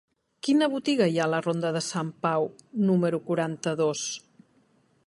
Quina botiga hi ha a la ronda de Sant Pau número quaranta-dos?